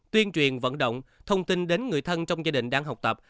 tuyên truyền vận động thông tin đến người thân trong gia đình đang học tập